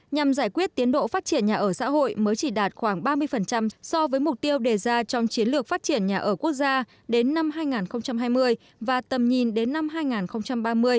nhằm giải quyết tiến độ phát triển nhà ở xã hội mới chỉ đạt khoảng ba mươi so với mục tiêu đề ra trong chiến lược phát triển nhà ở quốc gia đến năm hai nghìn hai mươi và tầm nhìn đến năm hai nghìn ba mươi